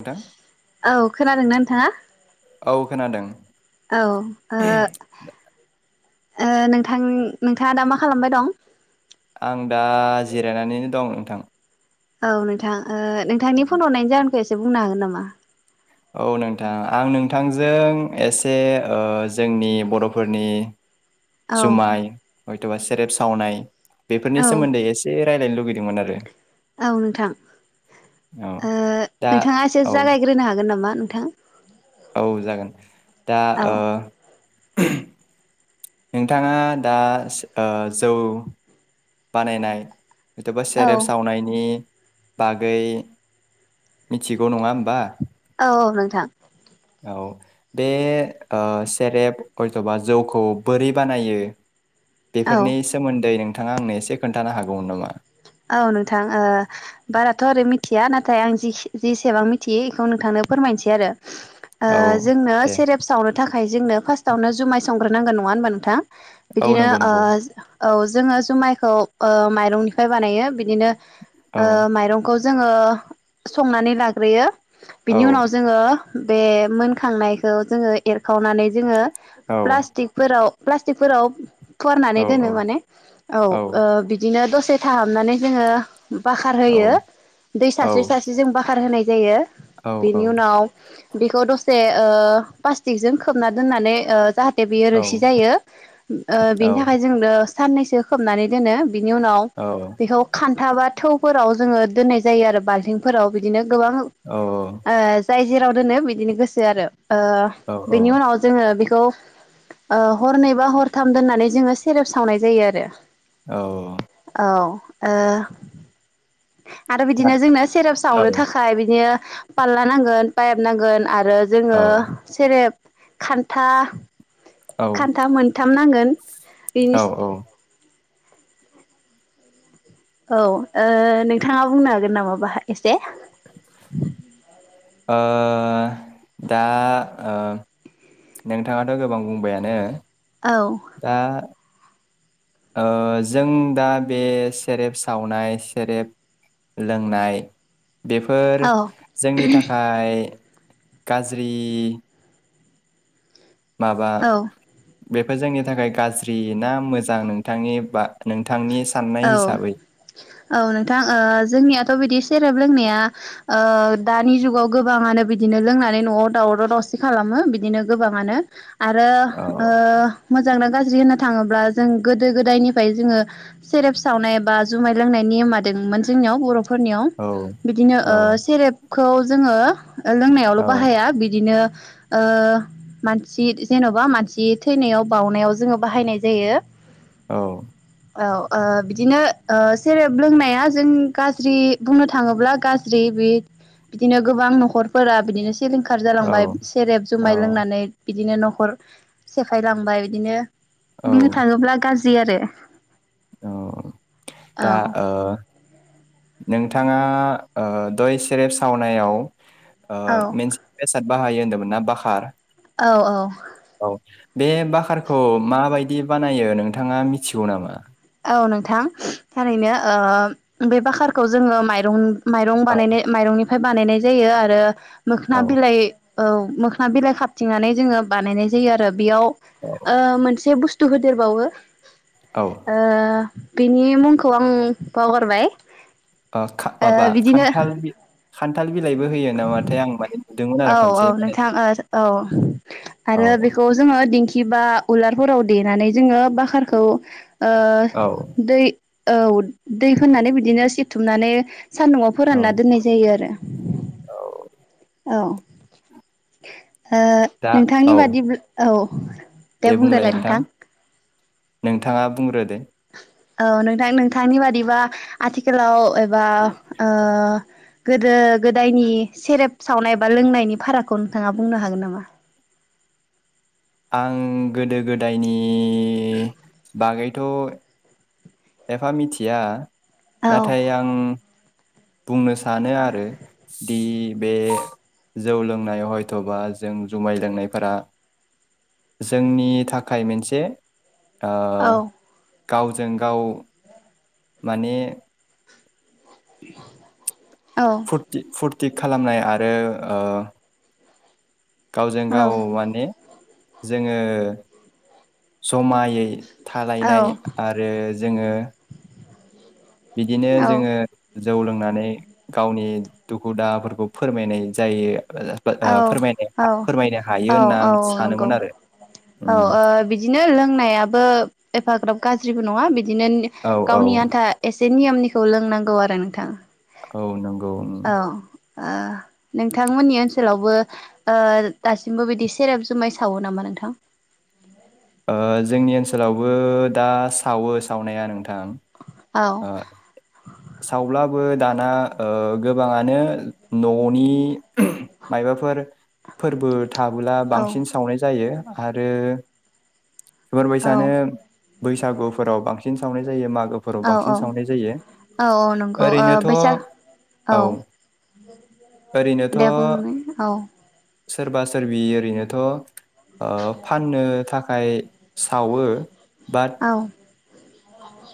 नोंथां औ खोनादों ना हा? औ खोनादों। ओ नोंथां नोंथाङा दा मा खालामबाय दं? आं दा जिरायनानैनो दं नोंथां। औ नोंथां। ओ नोंथांनि फन हरनायनि जाहो खो एसे बुंनो हागोन नामा? औ नोंथां आं नोंथांजों एसे जोंनि बर'फोरनि औ जुमाइ बाय बा सेरेब सावनाय। बेफोरनि औ सोमोन्दै एसे। रायज्लायनो लुगैदोंमोन आरो। औ नोंथां औ ओ दा नोंथाङा एसे औ जागायग्रोनो हागोन नामा? नोंथां। औ जागोन। दा औ ओ। नोंथाङा दा ओ जौ बानायनाय। एथ'बा औ सेरेब सावनायनि। बागै मिथिगौ नङा होमबा। औ नोंथां। औ बे सेरेब हयथ'बा जौखौ बोरै बानायो? औ बेफोरनि सोमोन्दै नोंथां नोंथाङा आंनो एसे खोन्थानो हागौमोन नामा? औ नोंथां ओ बाराथ' आरै मिथिया नाथाय आं जेसेबां मिथियो बेखौ नोंथांनो फोरमायसै आरो। औ ओ जोंनो दे सेरेप सावनो नि थाखाय जोंनो फार्स्टआवनो जुमाय संग्रोनांगोन नङा होनबा नोंथां? औ बिदिनो नंगौ ओ नंगौ औ जोङोजुमायखौ ओ माइरंनि फ्राय बानायो बिदिनो औ ओ माइरंखौ जोङो संनानै लाग्रोयो औ बिनि उनाव जोङो। बे मोनखांनायखौ जोङो एरखावनानै जोङो। औ प्लास्टिकफोराव प्लास्टिकफोराव औ फुवारनानै दोनो माने औ ओ बिदिनो दसे था हाबनानै जोङो बाखार औ होयो दै औ सारस्रि -सारस्रि जों बाखार होनाय जायो। औ औ बिनि उनाव बेखौ दसे ओ प्लास्टिकजों खोबना दोननानै ओ जाहा बेयो औ रोसि जायो ओ औ बेनि थाखाय जोंनो साननैसो खोबनानै दोनो बिनि उनाव बेखौ खान्था बाद थौफोराव जोङो दोननाय जायो आरो बाल्थिंफोराव बिदिनो गोबां ओ औ जाय जेराव दोनो बिदिनो गोसो आरो ओ औ बिनि उनाव जोङो बिख खौ ओ हरनै बा हरथाम दोननानै जोङो सेरेब सावनाय जायो आरो औ औ ओ आरो बिदिनो जोंना सेरेप सावनो थाखाय बिदिनो फालला नांगोन पाइप नांगोन आ आरो जोङो सेरेब खान्था खान्था मोनथाम नांगोन बिनिस औ ओ औ ओ नोंथाङा बुंनो हागोन नामा बा एसे ओ दा ओ नोंथाङाथ' गोबां बुंबायानो औ दा ओ जों दा बे सेरेब सावनाय सेरेब लोंनाय बेफोर औ जोंनि थाखाय गाज्रि माबा औ बेफोर जोंनि थाखाय गाज्रि ना मोजां नोंथांनि बा नोंथ औ औ नोंथां ओ जोंनियाथ' बिदि से [unintelligible] रेब लोंनाया ओ दानि जुगाव गोबाङानो बिदिनो लोंनानै न'आव दावराव दावसि खालामो बिदिनो गोबाङानो आरो औ ओ मोजां ना गाज ज्रि होननो थाङोब्ला जों गोदो गोदायनिफ्राय जोङो सेरेब सावनाय एबा जुमाय लोंनाय नियमादोंमोन जोंनियाव बर' फोरनियाव औ बिदिनो औ ओ सेरेब खौ जोङो औ लोंनायावल' बाहाया बिदिनो ओ मानसि जेन'बा मानसि थैनायाव बाउनायाव जोङो बाहायनाय जायो। औ औ ओ बिदिनो ओ सेरेब लोंनाया जों गाज्रि बुंनो थाङोब्ला गाज्रि बे बिदिनो गोबां न'खरफोरा बिदिनो। सिलिंखार जालांबाय सेरेब औ जुमाय लोंनानै बिदिनो न' खर सेफाय लांबाय इदिनो। औ बुंनो थाङोब्ला गा जि आरो। औ दा ओ नोंथाङा ओ दय सेरेब सावनायाव। ओ औ मेनसे बेसाद। बाहायो होन्दोंमोना बाखार। औ औ। औ बे बाखारखौ माबायदि बानायो नोंथाङा मिथिगौ नामा? औ नोंथां थारैनो ओ बे बाखारखौ जोङो माइरं। माइरं औ बानायनाय माइरंनि फ्राय बानायनाय जायो आरो। औ मोखोना बिलाइ। औ मोखोना बिलाइ खाबथिंनानै जोङो बानायनाय जायो आरो। बेयाव औ ओ मोनसे बुस थु होदेरबावो। औ। ओ बिनि मुंखौ आं बावगारबाय। [unintelligible] माबा ओ बिदिनो खान्थाल बि खान्थाल बि औ औ खनसे बानाय नोंथां ओ औ औ आरो बेखौ जोङो दिंखि खि बा उलारफोराव देनानै जोङो। बाखारखौ ओ औ दै। औ दै होन्नानै बिदिनो सिथुमनानै। सान्दुंआव औ फोरानना दोननाय जायो आरो। औ। ओ दा नोंथांनि औ बादि औ। दे बुंदोलाय नोंथां। नोंथाङा बुंग्रो दे। औ नोंथां नोंथांनि बादिबा आथिखालाव। बा ओ गोदो गोदायनि सेरेब सावनाय बा लोंनायनि फारागखौ नोंथाङा बुंनो हागोन नामा? आं गोदो गोदायनि। [unintelligible] बागै। द' एफा मिथिया औ नाथाय आं बुंनो सानो आरो दि बे जौ लोंनायाव हयथ'बा जों जुमाय लोंनायफोरा जोंनि थाखाय मोनसे ओ औ गावजों गाव माने [unintelligible] फुरटि फुर थिग खालामनाय आरो गावजों औ गाव माने जोङो जमायै औ थालायनाय आरो जोङो बिदिनो औ जोङो जौ लोंनानै गावनि दुखु दाहाफोरखौ फोरमायनाय जायो औ फोरमायनाय औ फोरमायनो हायो औ होनना औ आं नंगौ सानोमोन आरो औ उम ओबिदिनो लोंनायाबो एफाग्राब गाज्रिबो नङा बि दिनो औ औ गावनि आन्था एसे बे नियामनिखौ लोंनांगौ आरो नोंथां। औ नोंगौ औ ओ नोंथांमोननि ओनसोलावबो ओ दासिमबो बिदि सेरेब जुमाय सावो नामा नोंथां? ओ जोंनि ओनसोलावबो दा सावो सावनाया नोंथां। औ ओं ओ सावब्ला बो दाना ओ गोबाङानो न'नि मायबाफोर फोरबो थाबोला औ बांसिन सावनाय जायो। आरो बैसानो औ बैसागुफोराव बां सिन सावनाय जायो मा गो फोराव औ बांसिन सावनाय जायो औ औ नंगौ ओ ओरैनोथ' बैसाग औ औ ओरैनोथ' दे बुंनाय औ सोरबा सोरबि ओरैनोथ' ओ फाननो थाखाय सावो। बाद औ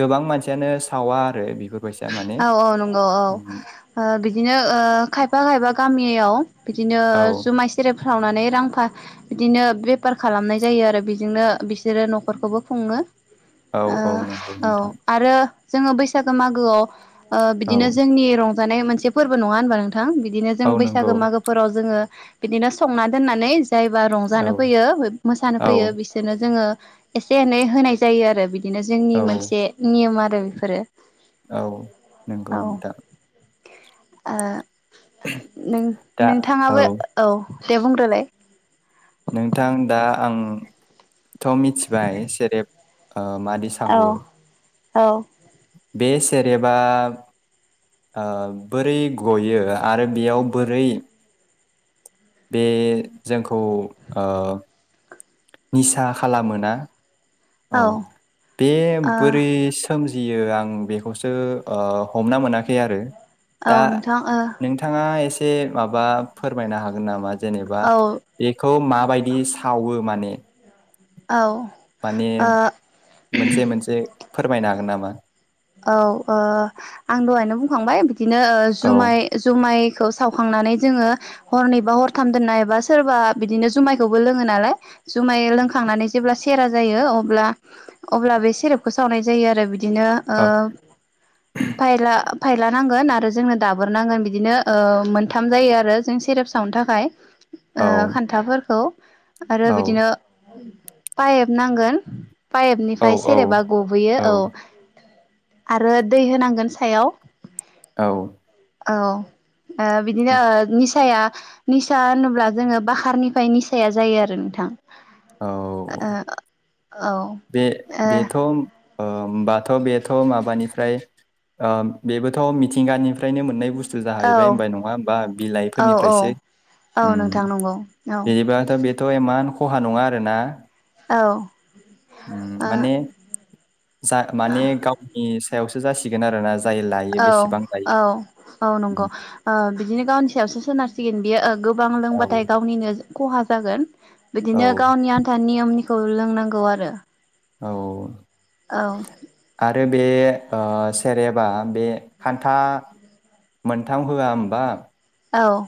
गोबां मानसि यानो सावा आरो। बेफोरबायसा माने औ औ नंगौ औ ओ बिदिनो ओ खायफा खायफा गामि याव बिदिनो औ जुमाय सेरेफ सावनानै रांफा बिदिनो बेफार खालामनाय जायो आरो बेजोंनो बिसोरो न'खरखौबो खुङो। औ ओ औ नंगौ औ नोंथां आरो जोङो बैसागो मा गो आव ओ औ बिदिनो जोंनि रं माने मोनसे फोरबो नङा होनबा नोंथां? बिदिनो जों औ नंगौ बैसागो मागोफोराव जोङो बिदिनो संना दोननानै जायबा औ रंजानो फैयो मोसानो फैयो औ बिसोरनो जोङो एसे एनै होनाय जायो आरो बि बिदिनो औ जोंनि मोनसे नियम रो बिफोरो औ नंगौ नोंथां आ दा औ नों-नोंथाङाबो औ दे बुंदोलाय नोंथां दा आं थ' मिथिबाय सेरेब ओ मादि औ सावो औ बे सेरेबा ओ बोरै गयो आरो बेयाव बोरै बे जोंखौ ओ निसा खालामोना औ बे ओ बोरै सोम जियो आं बेखौसो ओ हमना मोनाखै आरो औ दा नोंथां नोंथाङा एसे एसे माबा फोरमायनो हागोन नामा? जेनेबा ओ औ बेखौ मा बायदि सावो माने औ माने ओ मोनसे मोनसे फोरमायनो हागोन नामा औ ओ आं दहायनो बुंखांबाय बि। दिनो औ जुमाय जुमाय खौ सावखांनानै जोङो हरनैबा हरथाम दोननायबा सोरबा बिदिनो जुमायखौबो लोङो नालाय जुमाय लोंखांनानै जेब्ला सेरा जायो अब्ला अब्ला बे सेरेबखौ सावनाय जायो आरो बिदिनो। औ ओ फाइला फायलानांगोन आरो जोंनो दाबोर नांगोन बिदिनो मोनथाम जायो आरो जों सेरेप सावनो थाखाय। ओ औ खान्थाफोरखौ आरो औ बिदिनो पाइब नांगोन औ पाइपनिफ्राय सेरेबा गबोयो औ। आरो दै होनांगोन सायाव औ औ। ओ बिदिनो निसाया निसा होनोब्ला जोङो बखारनिफ्राय निसाया जायो आरो नोंथां औ। औ बे बेथ' ओ होनोमबाथ' बेथ' माबानिफ्राय बेबोथ' मिथिंगानिफ्रायनो मोननाय बुस्थु स्थु जाहैबाय होनबाय नङा होमबा औ बिलाइफोरनिफ्रायसो उम औ नोंथां नंगौ औ जेनेबाथ' बेथ' एमान ख खहा नङा आरोना औ। उम माने जा माने गावनि सा सायावसो जासिगोन आरो ना जा औ औ औ नंगौ उम ओ बिदिनो गावनि सायावसो सोनारसिगोन बेयो ओं। गोबां औ लोंबाथाय गावनिनो खहा जागोन बिदिनो औ गावनि आन्थानि नियमनि खौ लोंनांगौ आरो। औ। औ। आरो बे ओ सेरेबा बे खान्था मोनथाम होआ होमबा? औ।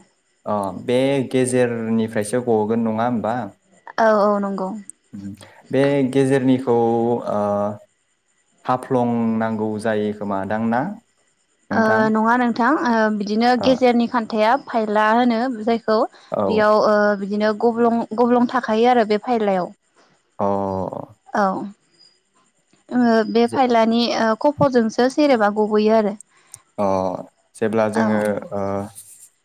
अ बे गेजेरनिफ्रायसो गगोन नङा होमबा? औ औ नंगौ बे गेजेरनि खौ ओ हाफ्लंनांगौ जायो खोमा दां ना ओ नोंथां नङा नोंथां ओ बिदिनो गेजेरनि खान्थाया फायला होनो जायखौ ओ बेयाव ओ बिदिनो गब्लं गब्लं थाखायो आरो बे फायलायाव औ अ औ ओ बे फायलानि ओ खफ'जोंसो सेरेबा गबोयो आरो ओ जेब्ला औ जोङो ओ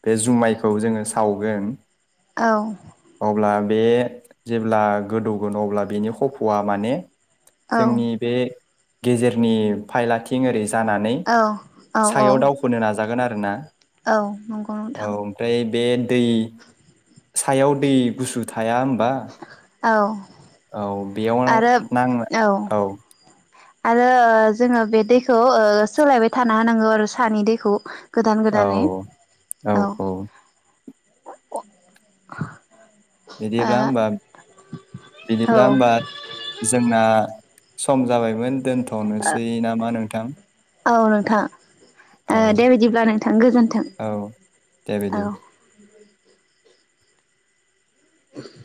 बे जुमायखौ जोंङो सावगोन औ अब्ला बे जेब्ला गोदौगोन अब्ला बेनि खफ'आ माने औ जोंनि बे गेजेरनि फायलाथिं ओरै जानानै औ औ सायाव दावखोनो नाजागोन आरो ना औ नंगौ औ नोंथां ओमफ्राय बेेन दै सायाव दै गुसु थाया होनबा? औ औ बेयाव आरो नां औ आरो जोंङो बे दैखौ सोलायबाय थाना होनांगौ आरो सानि दैखौ गोदान औ गोदानै औ [inaudible] बिदिब्ला होनबा ओ बिदिब्ला होनबा जोंना सम जाबायमोन औ दोनथ'नोसै नामा नोंथां औ औ नोंथां दे बिदिब्ला नोंथां गोजोनथों औ दे बिदि औ। [inaudible]